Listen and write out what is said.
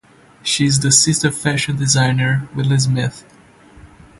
She is the sister of fashion designer Willi Smith.